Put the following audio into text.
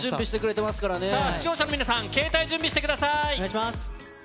視聴者の皆さん、携帯を準備してください。